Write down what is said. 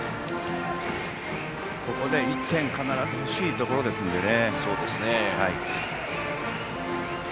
ここは１点必ず欲しいところですからね。